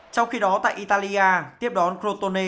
trong khi đó tại italia tiếp đón crotone